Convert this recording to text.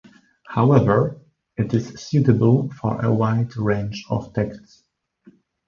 However, it is suitable for a wide range of texts.